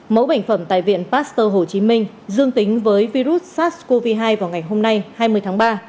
mẫu bệnh phẩm tại viện pasteur hồ chí minh dương tính với virus sars cov hai vào ngày hôm nay hai mươi tháng ba